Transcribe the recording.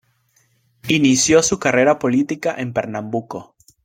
Inició su carrera política en Pernambuco.